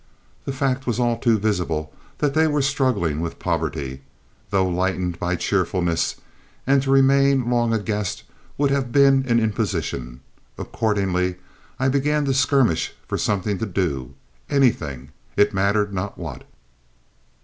The fact was all too visible that they were struggling with poverty, though lightened by cheerfulness, and to remain long a guest would have been an imposition; accordingly I began to skirmish for something to do anything, it mattered not what.